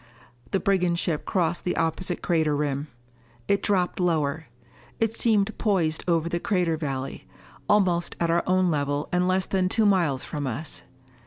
The brigand ship crossed the opposite crater rim. It dropped lower. It seemed poised over the crater valley, almost at our own level and less than two miles from us.